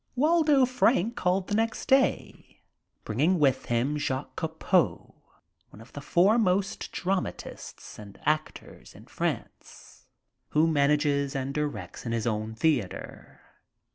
Waldo Frank called the next day, bringing with him Jacques Copeau, one of the foremost dramatists and actors in France, who manages and directs in his own theater.